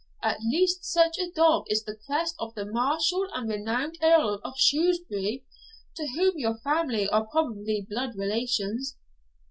At least such a dog is the crest of the martial and renowned Earls of Shrewsbury, to whom your family are probably blood relations.'